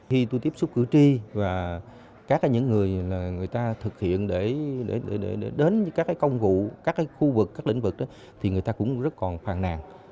khi tôi tiếp xúc cử tri và các những người người ta thực hiện để đến các công vụ các khu vực các lĩnh vực thì người ta cũng rất còn phàn nàn